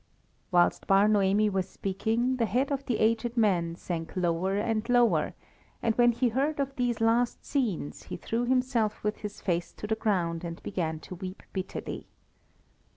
Whilst Bar Noemi was speaking, the head of the aged man sank lower and lower, and when he heard of these last scenes, he threw himself with his face to the ground and began to weep bitterly.